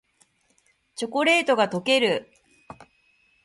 チョコレートがとける